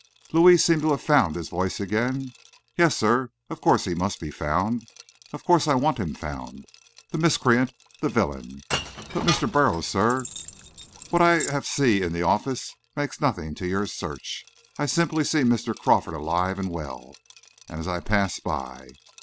Louis seemed to have found his voice again. "Yes, sir, of course he must be found. Of course I want him found, the miscreant, the villain! but, Mr. Burroughs, sir, what I have see in the office makes nothing to your search. I simply see Mr. Crawford alive and well. And I pass by.